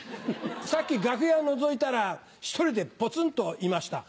さっき楽屋をのぞいたら１人でポツンといました。